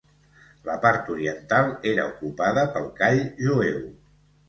La part oriental era ocupada pel call jueu.